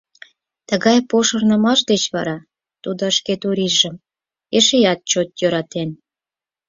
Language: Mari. Тыгай пошырнымаш деч вара тудо шке Турийжым эшеат чот йӧратен.